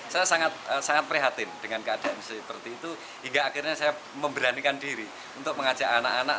saya sangat prihatin dengan keadaan seperti itu hingga akhirnya saya memberanikan diri untuk mengajak anak anak